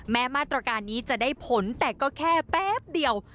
มาตรการนี้จะได้ผลแต่ก็แค่แป๊บเดียว